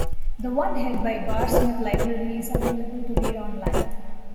The one held by the Barr Smith Library is available to read online.